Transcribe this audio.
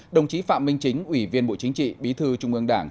đồng chí phạm minh chính ủy viên bộ chính trị bí thư trung ương đảng